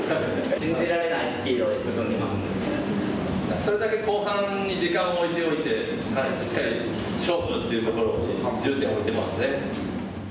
それだけ後半に時間を置いておいてしっかり勝負っていうところに重点を置いてますね。